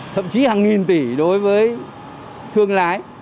thậm chí hàng nghìn tỷ đối với thương lái